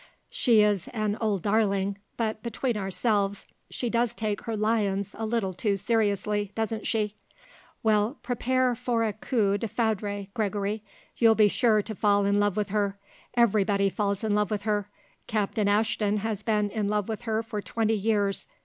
She is an old darling; but, between ourselves, she does take her lions a little too seriously, doesn't she. Well, prepare for a coup de foudre, Gregory. You'll be sure to fall in love with her. Everybody falls in love with her. Captain Ashton has been in love with her for twenty years.